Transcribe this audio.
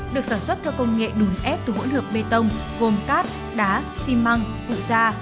được sản xuất theo công nghệ đùn ép từ hỗn hợp bê tông gồm cát đá xi măng cụ da